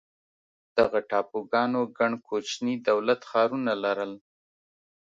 دغه ټاپوګانو ګڼ کوچني دولت ښارونه لرل.